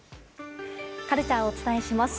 カルチャーをお伝えします。